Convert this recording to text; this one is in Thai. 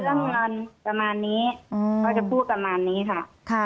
เรื่องเงินประมาณนี้เขาจะพูดประมาณนี้ค่ะ